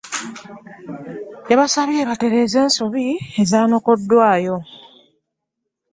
Yabasabye batereze ensobi ezaanokiddwaayo.